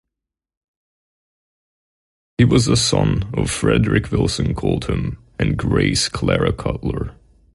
He was the son of Frederick Wilson Coldham and Grace Clara Cutler.